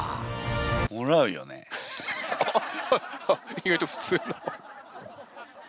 意外と普通の。